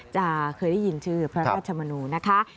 จะเคยได้ยินชื่อพระราชมนูนะคะ